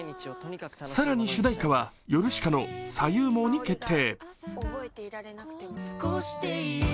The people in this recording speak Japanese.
更に、主題歌はヨルシカの「左右盲」に決定。